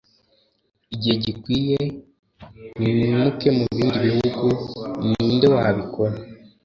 igihe gikwiye, nimwimuke mubindi bihugu. ninde wabikora